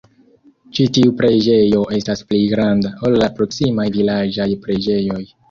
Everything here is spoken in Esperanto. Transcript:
Ĉi tiu preĝejo estas pli granda, ol la proksimaj vilaĝaj preĝejoj.